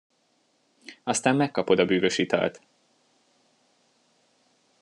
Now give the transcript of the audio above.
Aztán megkapod a bűvös italt!